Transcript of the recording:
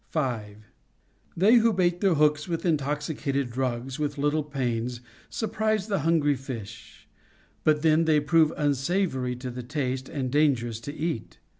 5. They who bait their hooks with intoxicated drugs with little pains surprise the hungry fish, but then they prove unsavory to the taste and dangerous to eat.